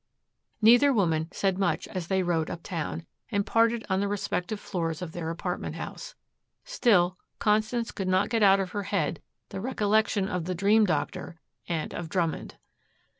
Neither woman said much as they rode uptown, and parted on the respective floors of their apartment house. Still Constance could not get out of her head the recollection of the dream doctor and of Drummond.